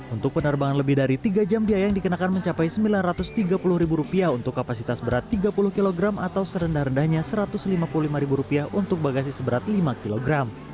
untuk penerbangan lebih dari tiga jam biaya yang dikenakan mencapai rp sembilan ratus tiga puluh untuk kapasitas berat tiga puluh kg atau serendah rendahnya rp satu ratus lima puluh lima untuk bagasi seberat lima kg